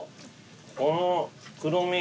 この黒み。